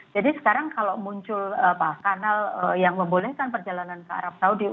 jadi sekarang kalau muncul kanal yang membolehkan perjalanan ke arab saudara